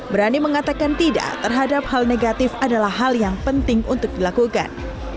berani mengatakan tidak terhadap hal negatif adalah hal yang penting untuk dilakukan